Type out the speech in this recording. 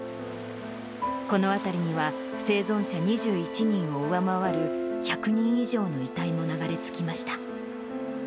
この辺りには、生存者２１人を上回る、１００人以上の遺体も流れ着きました。